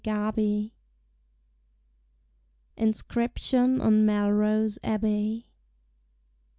HAUDINGE. INSCRIPTION ON MELROSE ABBEY.